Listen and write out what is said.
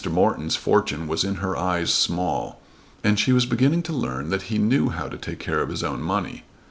Morton's fortune was in her eyes small, and she was beginning to learn that he knew how to take care of his own money.